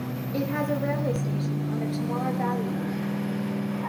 It has a railway station on the Tamar Valley Line.